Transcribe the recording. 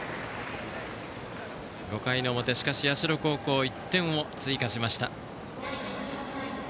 ５回の表、しかし社高校１点を追加しました。